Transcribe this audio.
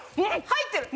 入ってる！